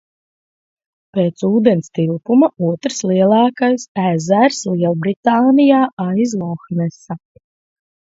Pēc ūdens tilpuma otrs lielākais ezers Lielbritānijā aiz Lohnesa.